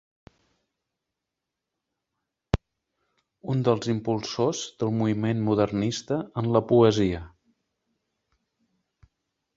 Un dels impulsors del moviment modernista en la poesia.